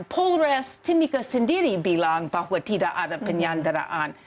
polres timika sendiri bilang bahwa tidak ada penyanderaan